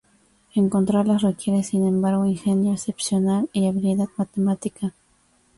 Encontrarlas requiere, sin embargo, ingenio excepcional y habilidad matemática.